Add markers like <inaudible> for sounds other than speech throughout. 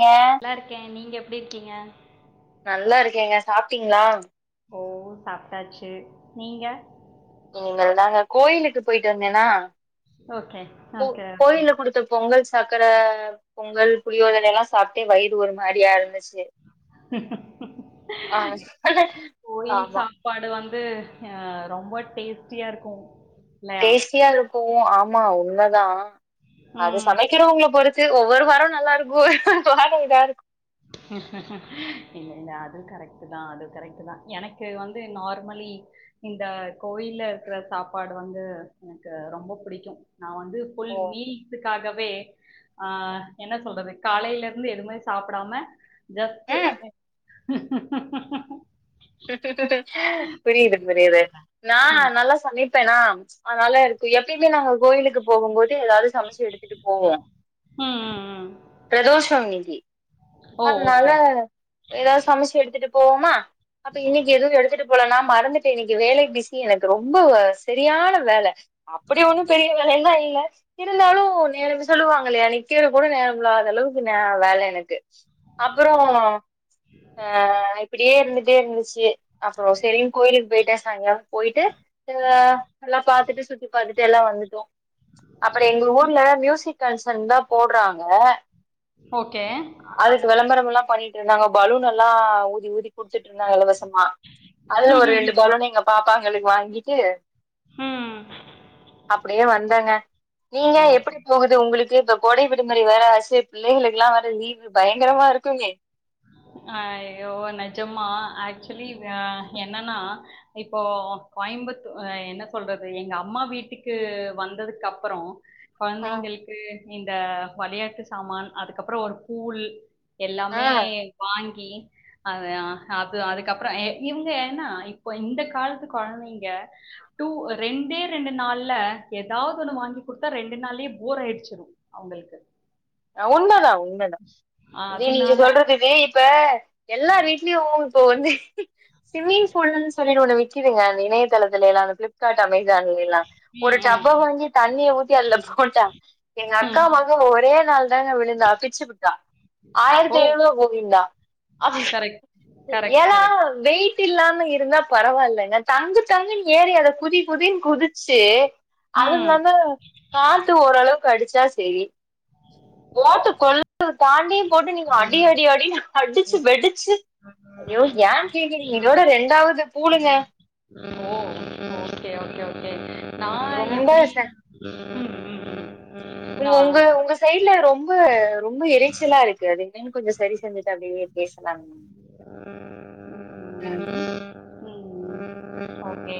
ஏ நல்லா இருக்கே நீங்க எப்டி இருக்கீங்க நல்லா இருக்கேங்க சாப்ட்டீங்களா ஓ சாப்ட்டாச்சு நீங்க இனிமேல் தாங்க கோய்லுக்கு போய்ட்டு வந்தேன்னா ஓகே, கோ ஓகே, ஓகே. கோயில்ல குடுத்த பொங்கல் சக்கர பொங்கல் புளியோதர எல்லா சாப்ட்டு வயிறு ஒரு மாரியாருந்துச் ஆ கோயில் ஆமா சாப்பாடு வந் து அ ரொம்ப டேஸ்ட்டியா ருக்கூ டேஸ்ட்டியாருக்கு ஓ ஆமா உண்மதா அது ம். சமைக்கிறவங்ள பொறுத் து ஒவ்வொரு வாரோ நல்லாருக்கு <unintelligible> இல்ல இல்ல அது கரெக்டு தா அது கரெக்டு தா எனக்கு வந்து நார்மலி இந்த கோயில்ல இருக்ற சாப்பாடு வந்து எனக்கு ரொம்ப புடிக்கு நா வந்து ஃபுல் நீத்துக்காகவே ஆ என்ன சொல்றது காலையிலெருந்து எதுவுமே சாப் படாம ஜஸ்ட்டு ம் <unintelligible> புரியுது புரியுது நா ம் நல்லா சமைப் பேனா அதனால இருக்கு எப்பயுமே நாங்க கோயிலுக்கு போகும் போத் தை எதாவ்து சமச்சு எடுத்துட்டு போவோ ம் ம் ம் ப்ரதோஷோ இன்னிக்கி ஓ அத்னால ஓகே எதாவ்து சமச்சு எடுத்துட்டு போவோமா அப்ப இன்னைக் எதுவு எடுத்துட்டு போல நா மறந்துட்டே இன்னைக்கி வேலைக பிசி எனக்கு ரொம்ப செரியான வேல அப்படி ஒண்ணு பெரிய வேலையெல்லா இல் க்ளாஸ் இருந்தாலு நேரம்ன்னு சொல்லுவாங்களே நிக்கிற கூட நேரமில்லாத அளவுக்கு வே வேல எனக்கு அப்புறோ ஆ இப்பிடியே இருந்துட் டே இருந்துச்சு அப்றோ சேரின் கோயிலுக் போய்ட்டே சாய்ங்காலோ போய்ட்டு அ நல்லா பாத்துட்டு சுத்தி பாத்துட்டு எல்லா வந்துட்டோ அப்பறே எங்க ஊர்ல மியூசிக் கன்சன் தா போட்றாங்க ஓக்கே அதுக்கு வெளம்பரமெல்லா பண்ணிட்ருந்தாங்கோ பலூனெல்லா ஊதி ஊதி குடுத்துட் ருந்தாங்க லவ்வஸ் <unintelligible> அதுல ம் ஒரு ம் ரெண்டு ம் பலூன எங்க பாப்பாங்களுக் வாங்கிட்டு ம் அப்டியே வந்தேங்க நீங்க ம் ஓகே எப்பிடி போகுது உங்குளுக் கு இப்ப கோடை விடுமுறை வேற ஆச்சு பிள்ளைகளுக்குலா வேற லீவ் பயங்கரமா இருக்கும்மே அய்யோ நெஜமா ஆக்சலி அ என்னன்னா இப்போ கோய்ம்புத்து அ என்ன சொல்றது எங்க அம்மா வீட்டுக்கு வந்ததுக்கப்புறோ ம், கொழந்தைங்கள்க்கு இந்த வளையாட்டு சாமான் அதுக்கப்புறோ ஒரு பூல் எல்லாமே ம். வாங்கி அது அ அப்பு அதுக்கப்றோ எ இவுங்க ஏன்னா இப்பொ இந்த காலத்து கொழந்தைங்க டூ ரெண்டே ரெண்டு நாள்ல எதாவ்து ஒண்ணு வாங்கி குடுத்தா ரெண்டு நாள்யே போர் அய்டுச்சிடு அவுங்களுக்கு அ உண்மதா உண்மதா ஜி நீங்க அதனால சொல்றது ஜி இப்ப எல்லார் வீட்லியு பூல் இப்போ வந்து சிம்மிங் ஃபூல்ன் சொல்லிட்டு ஒண்ணு விக்கிதுங்க அந்த இணையதளத்தில எல்லா அந்த ஃப்ளிப்காட் அமே சான்லி எல்லா ஒரு ம், ம், டப்பா வாங்கி தண்ணிய ஊத்தி அதுல போட்டா எங்க அக்கா ம். மக ஒரே ல்தாங்கா விழுந்தா பிச்சு புட்டா ஆய்ரத்தி ஓ! ஏழ்நூ <unintelligible> இல்லா அது கரெக்ட். எ கரெக்ட், ஏனா கரெக்ட். வெய் டில்லாம இருந்தா பரவால்லங்க தங்கு தங்குன் ஏறி அதுல குதி குதின் குதிச்சு ம். அதுமில்லாம காத்து ஓரளவு கடுச்சா சேரி ஓட்டு கொள் <unintelligible> தாண்டியு போட்டு நீங்க அடி அடி அடின் அடிச்சு வெடிச்சு ஐயோ ஏ கேக்கிறீங்க இதோட ரெண்டாவது பூளுங்க ஓ ஓக்கே ஓக்கே ஓ கே நா எப்டினா ம் ம், ம். உங்கு நான் உங்கு உங்க சைட்ல ரொம்ப ரொம்ப இரைச்சலா இருக்கு அதி <unintelligible> கொஞ்சோ சரி செஞ்சுட்டு அப்டியே பேசலான் ம் ஓகே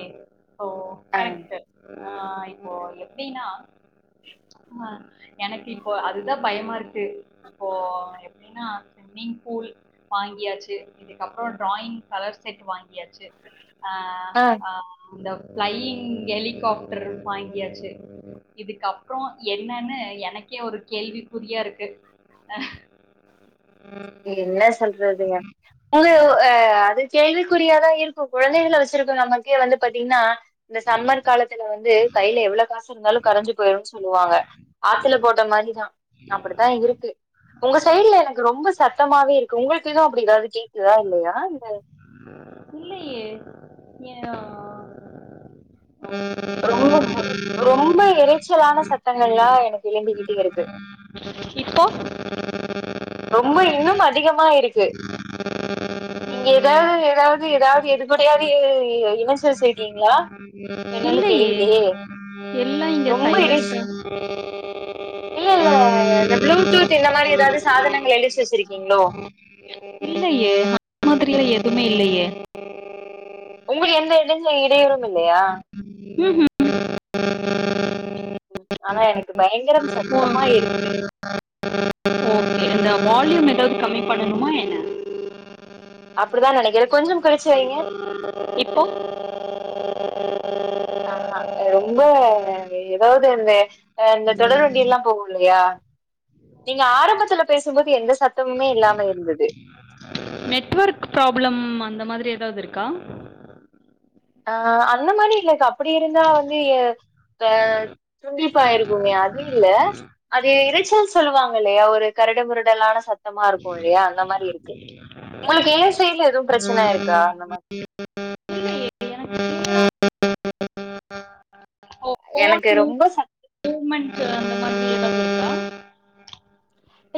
அம் ப்ப எப்டினா அ எனக்கு இப்போ அதுதா பயமாருக்கு இப்போ எப்டினா ஸ்ம்மிங் ஃபூல் வாங்கியாச்சு இதுக்கப்புறோ ட்ராயிங் கலர் செட் வா ங்கியாச்சு அ ஆ, அ ந்த ஃபிளையிங் ஹெலிகாப்ட்ர் வா ங்கியாச்சு இதுக்கப்புறோ என்னனு எனக்கே ஒரு கேள்விகுறியாருக்கு அ இன்ன சொல் றதுங்க ந்து உ அ அது கேள்விக்குறியாதா இருக்கு குழந்தைகள வெச்சிருக்க நமக்கே வந்து பாத்தீங்ன்னா இந்த சம்மர் காலத்துல வந்து கையில எவ்ளோ காசு இருந்தாலு கரைஞ்சு போயிருன் சொல்லுவாங்க ஆத்துல போட்ட மாரிதா அப்பிடித்தா இருக்கு உங்க சைட்ல எனக்கு ரொம்ப சத்தமாவே இருக்கு உங்கள்க்கு எது அப்டி காது கேக்குதா இல்லையா இல்ல இல்லையே ஏ அ ரொம்பொ ரொம்ப இரைச்சலான சத்தங்கள்லா எனக்கு எழும்பிக்கிட்டே இரு இப்போ ரொம்ப இன்னும் அதிகமா இருக்கு நீங்க ஏதாவது ஏதாவது ஏதாவது எதுபடியாவது இனசரிச்சிருக்கீங்களா என்னன்னு இல்லையே தெரியலயே எல்லாம் இங்க ரொம்ப இரிஸ் சைலண்டா இல்ல இல்ல இந்த ப்ளூடூத் இந்த மாதிரி ஏதாவது சாதனங்கள் எழுச்ச வச்சிருக்கீங்களோ இல்லையே இந்த மாதிரிலாம் எதுவுமே இல்லையே உங்களுக்கு எந்த எடஞ்ச இடையூறு இல்லையா ஆனா எனக் ஓக நா வால்யூம் ஏதாவது கம்மி பண்ணணுமா என்ன அப்படிதான் நெனைக்கிறேன் கொஞ்சம் குறைச்சு வைங்க இப்போ <inaudible> ஆஹா ரொம்ப ஏதாவது இந்த அ இந்த தொடர் வண்டியல்லா போகுலே யா நீங்க ஆரம்பத்துல பேசும்போது எந்த சத்த நெட்வொர்க் ப்ராப்ளம் அந்த மாதி ரி ஏதாவது இருக்கா ஆ அந்த மாரி இலக்காப் அப்டி இருந்தா வந்து ஏ ஆ துண்டிப்பாயிருக்குமோ அது இல்ல அது இறைச்சல் சொல்லுவாங் இல்லையா ஒரு கரடு முருடலான ச த்தமா இருக்கு இல்லையா அந்த மாரி இருக்கு உங்களுக்கு ஏ சைட்ல எதுவு பிரச்சனை இருக்கா அந்த மாரி இல்லையே <unintelligible> எனக்கு ரொம்ப சத்த மூவ்மெண்ட் அந்த மாதிரிக்கா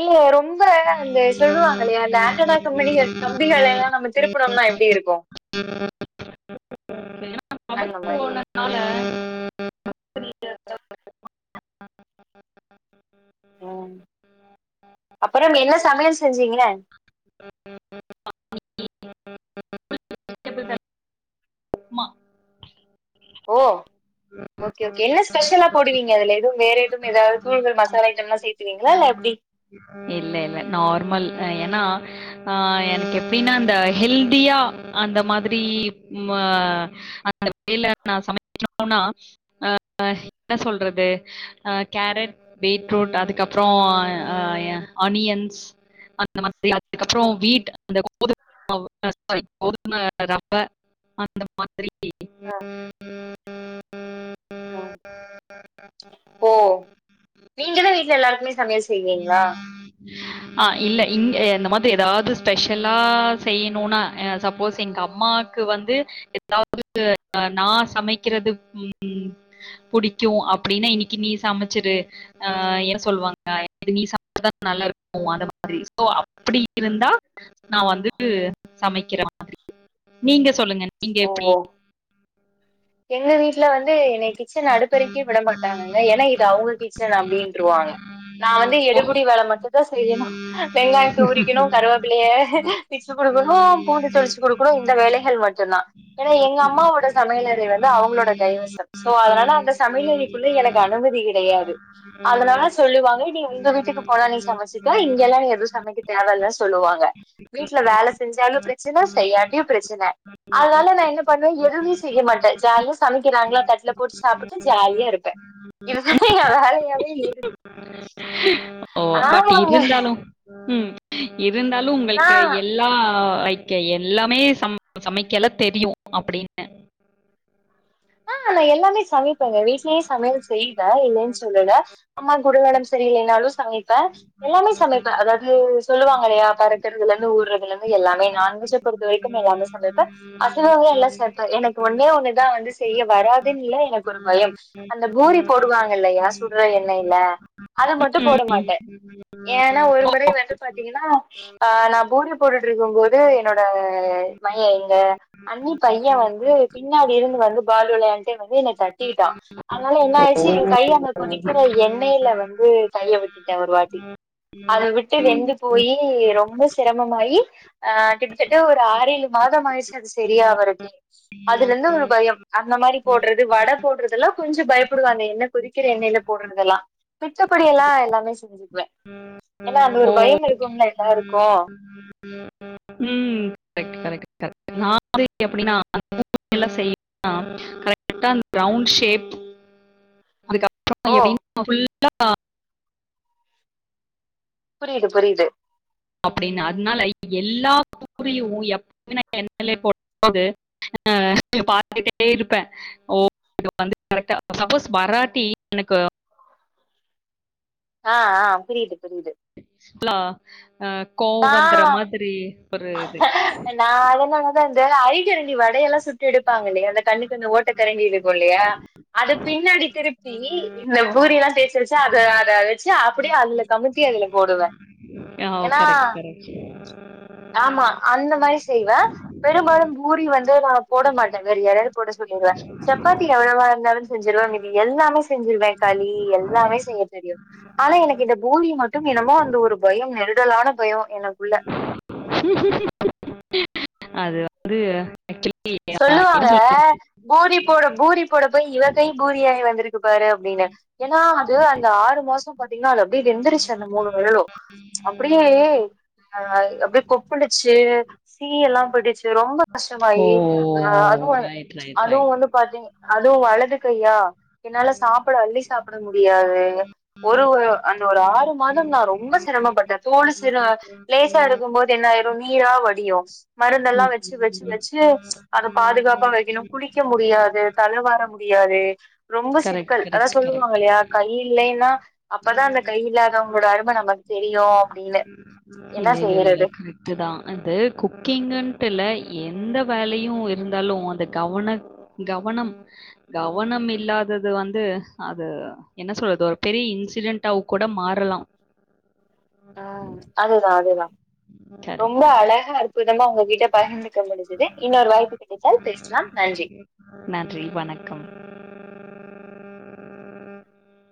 இல்ல ரொம் ம்ப சொல்லுவாங்க இல்லையா அ ஆடாம்ப கம்பிகள்லெல்லா நம்ம திரு அப்புறம்னா எப்டி இருக்கு ஏன்னா அந்த மாரி னால ம் அப்பற என்ன சமையல் செஞ்சீங்களே ஓ ஓகே ஓகே என்ன ஸ்பெஷலா போடுவீங்க அதுல எதுவு வேற எதுவு ஏதாவது தூள்கள் மசாலா ஐட்டம் எல்லா சேத்தவீங்களா இல்ல எப்டடி இல்ல நார்மல் ஏன்னா ஆ எனக்கு எப்படின்னா அந்த ஹெல்தியா அந்த மாதிரி மா அந்த வேல நா சமைக்கும்னா அ என்ன சொல்றது அ கேரட் பீட்ரூட் அதுக்கப்புற ஆ எ ஆனியன்ஸ் அந்த மா அதுக்கப்புற ம், வீட் அந்த <unintelligible> சரி ம், <inaudible> ம். ஓ நீங்களே வீட்ல எல்லாருக்குமே சமையல் செய்வீங்ளா அ இல்ல இங்க இந்த மாத்ரி எதாவ்து ஸ்பெஷலா செய்யணும்னா சப்போஸ் எங்க அம்மாக்கு வந்து எ எதாது நா சமைக்கிறது ம் புடிக்கு அப்டின்னா இன்னைக்கு நீ சமைச்சரு அ ஏ சொல்லுவாங்க நீ சமைத நல்லா இருக்கு அந்த மாதுரி அப்புடி இருந்தா நான் வந்து சமைக்கிற மாதிரி நீங்க சொல்லுங்க நீங்க ஓ எப்படி ஓ எங்க வீட் ல வந்து என்னே கிச்சன் அடுப்பரைக்கே விட மாட்டாங்கங்க ஏன்னா இது அவங்க கிச்சன் அப்படனுவாங்க நான் வந்து ஓ, எடுபிடி வேலை மட்டும் தான் செய்யணும் வெங்காயத்தை உரிக்கிணு கருவேப்பிள்ளைய வச்சு குடுக்கணு பூண்டு தொளிச்சு குடுக்கணும் இந்த வேலைகள் மட்டும் தா ஏ எங்க அம்மாவோட சமையல வந்து அவுங்ளோட கைவசம் சோ அதனால அந்த சமையலக்குள்ள எனக்கு அனுமதி கிடையாது அதனால சொல்லுவாங்க நீ உங்க வீட்டுக்கு போனா நீ சமைச்சுக்க இங்க எல்லாம் நீ எதுவும் சமைக்க தேவையில் சொல்லுவாங்க வீட்டுல வேலை செஞ்சாலும் ப்ரச்சன செய்யாம் ப்ரச்சன அதனால நா என்ன பண்ணுவ எதுமே செய்ய மாட்ட ஜாலிய சமக்கிறாங்களா தட்டுல போட்டு சாப்பிட்டு ஜாலியா இருப்பேன் இதுத வேலையாவே இரு ஓ பாட் இருந்தாலு ம் இர் இருந்தாலு உங்களுக்கு நான் எல்லா ஓகே எல்லாமே சம் சமைக்கலா தெரியு அப்படின்னு ஆ நா எல்லாமே சமைப்பேங்க வீட்லயே சமையல் செய்வே இல்லைன் சொல்லுல அம்மாக்கு ஒடம்பு சரியில்லைனாலு சமைப்ப எல்லாமே சமைப்ப அதாவது சொல்லுவாங்க இல்லையா பறக்கறதுல இருந்து ஊர்றதுல இருந்து எல்லாமே நான்வெஜ்ஜ பொறுத்த வரைக்கும் எல்லாமே சமைப்பே அசைவ உணவுல எல்லா சமைப்ப எனக்கு ஒன்னே ஒண்ணுதா வந்து செய்ய வராதுன்னுல்ல எனக்கு ஒரு பயம் அந்த பூரி போடுவாங்க இல்லையா சுடற எண்ணைல அத மட்டு ம், போட மாட்டே ஏன்னா ஒரு ஓ, முறை வந்து பாத்திங்கன்னா ஆ நா பூரி பூரி போட்டுட்ருக்கும் போது என்னோட மை எங்க அண்ணி பைய வந்து பின்னாடி இருந்து வந்து பால் வெளையான்ட்டே வந்து என்ன தட்டிட்டா அதனால என்ன ஆயிடுச்சு ஓ எங் கை அந்த கொதிக்கிற எண்ணெயில வந்து கைய விட்டுட்டே ஒரு வாட்டி அத விட்டு வெந்து போயி ரொம்ப சிரமமாயி அ கிட்டத்தட்ட ஒரு ஆறேழு மாதமாயிருச்சு அது சரியாவறக்கே அதுல இருந்து ஒரு பய அந்த மாரி போடறது வடை போடறதெல்லா கொஞ்ச பயப்படுவே அந்த எண்ணெ கொதிக்கிற எண்ணெயில போடறதெல்லா மித்தபடியெல்லா எல்லாமே செஞ்சுக்குவ ஏன்னா அந்த ஒரு ஓ பயம் இருக்கும்ல தா இருக்கு நாலா எப்படின்னா பூரி எல்லா செய்யறதுன்னா கரெக்ட் டா அந்த ரவுண்ட் ஷேப் அதுக்கப்புற ஓ எப்டின் ஃபுல் லா புரியுது புரியுது அப்படின்னு அதனால எல்லா ஊரையும் எப்பவும் நான் என்எல்ஏ போடும் போது ஆ பார்த்துகிட்டே இருப்பேன் ஓ சப்போஸ் வராட்டி எனக்கு ஆ ஆ புரியுது புரியுது ஹலோ அ கோவோ வந்துற மாதிரி ஒரு இது. என் நான் அத <unintelligible> நனதுண்டு ஆ ஐ இறங்கி வடையெல்லாம் சுட்டு எடுப்பாங்க இல்லையா அந்த கண்ணு கண்ணு ஓட்ட கறண்டி இருக்கும் இல்லையா அது பின்னாடி திருப்பி இந்த பூரி எல்லாம் தேச்சு வச்சு அதை அத அப்படியே அது இல்ல கமுத்தி அள்ளணு ஓ கரெக்ட் கரெக்ட் ஆ அந்த மாரி செய்வே பெரும்பாலும் பூரி வந்து நா போட மாட்டே வேற யாராவது போட சொல்லிடுவே சப்பாத்தி எவ்ளோவா இருந்தாலு செஞ்சிருவே மீதி எல்லாமே செஞ்சிருவே களி எல்லாமே செய்ய தெரியு ஆனா எனக்கு இந்த பூரி மட்டும் என்னமோ அந்த ஒரு பயம் நெருடலான பயோ எனக்குள்ள அது <unintelligible> அ என்ன சொல்லுவாங்க சொல்றது? பூரி போட பூரி போட போய் இவ கை பூரியாயி வந்திருக்கு பாரு அப்டின்னு ஏன்னா அது அந்த ஆறு மாசோ பாத்தீங்கன்னா அது அப்டியே வெந்துருச்சு அந்த மூனு வெரலு அப்புடியே அ அப்டே கொப்புலுச்சு சீ எல்லா போடிச்சு ரொம்ப கஷ் ஓ! வாயி ஆ அதுவு ரைட், ரைட், அதுவு ரைட். வந்து பாத்தீங் அதுவு வலது க்கையா என்னால சாப்புட அள்ளி சாப்புட முடியாது ஒரு அ அந்த ஒரு ஆறு மாதம் நா ரொம்ப சிரமப்பட்டே தோல் சிர பிளேஸா இருக்கும்போது என்னாயிரும் நீரா வடியூ மருந்தெல்லா வெச்சு வெச்சு து ம். வெச்சு அத பாதுகாப்பா வைக்கணும் குளிக்க முடியாது தல வார முடியாது ரொம்ப கரெக்ட், சிக்கல் அதா கரெக்ட், கரெக்ட். சொல்லுவாங்க இல்லையா கை இல்லைன்னா அப்பதா அந்த கையில்லாதவங்களோட அரும நமக்கு தெரியு அப்புடின்னு இல்ல இல்ல இல்ல இல்ல கரெக்ட்டு தா அது குக்கிங்குன்ட்டு இல்ல எந்த வேலையு இருந்தாலு அந்த கவனக் கவனம் கவனம் இல்லாதது வந்து அது என்ன சொல்றது ஒரு பெரிய இன்சிடென்டாவ் கூட மாறலா தா அதுதா ரொம்ப கரெக்ட்டு. அழகா அற்புதமா உங்ககிட்ட பகிர்ந்துக்க முடிஞ்சுது இன்னொரு வாய்ப்பு கிடைத்தால் பேசலா நன்றி உம் உம்